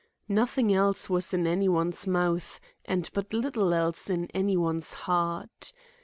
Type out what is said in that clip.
Nothing else was in any one's mouth and but little else in any one's heart.